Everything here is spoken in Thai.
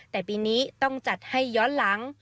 แต่ปีนี้ต้องจัดให้ย้อนหลัง